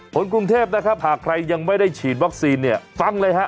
คนกรุงเทพนะครับหากใครยังไม่ได้ฉีดวัคซีนเนี่ยฟังเลยฮะ